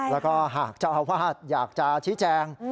แล้วก็หากเจ้าอาวาสอยากจะชี้แจง